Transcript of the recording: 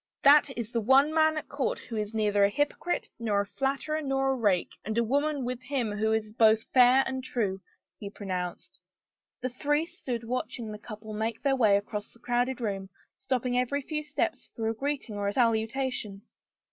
"That is the one man at court who is neither a hypocrite nor a flatterer nor a rake, and a woman with him who is both fair and true," he pronounced. The three stood watching the couple make their way across the crowded room, stopping every few steps for a greeting or a salutation.